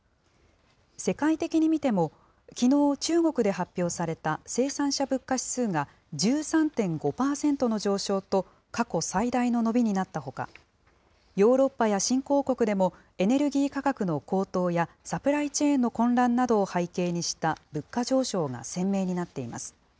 世界的に見ても、きのう中国で発表された生産者物価指数が、１３．５％の上昇と、過去最大の伸びになったほか、ヨーロッパや新興国でもエネルギー価格の高騰や、サプライチェーンの混乱などを背景にした物価上昇が鮮明になっています。